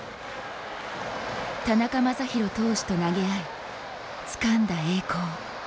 田中将大投手と投げ合いつかんだ栄光。